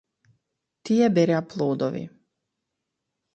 Тие береа плодови.